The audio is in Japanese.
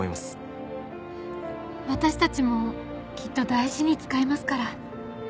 私たちもきっと大事に使いますから。